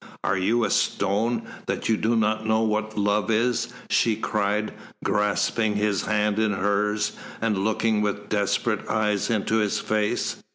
"Are you a stone, that you do not know what love is?" she cried, grasping his hand in hers and looking with desperate eyes into his face.